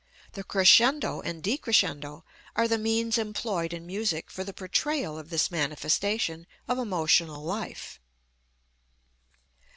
The crescendo and decrescendo are the means employed in music for the portrayal of this manifestation of emotional life."